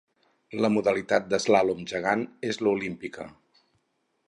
La modalitat d'Eslàlom gegant és l'olímpica.